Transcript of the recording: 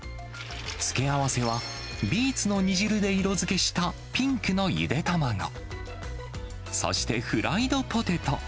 つけあわせは、ビーツの煮汁で色づけしたピンクのゆで卵、そしてフライドポテト。